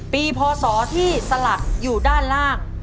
พศที่สลักอยู่ด้านล่าง